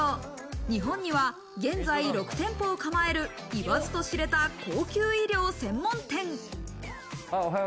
日本には現在６店舗を構える、言わずと知れた高級衣料専門店。